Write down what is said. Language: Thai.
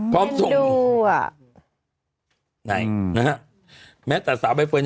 พร้อมส่งแม่งดูอ่ะไหนนะฮะ